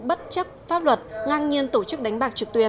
bất chấp pháp luật ngang nhiên tổ chức đánh bạc trực tuyến